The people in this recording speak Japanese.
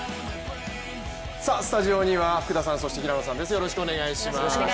スタジオには福田さん、そして平野さんです。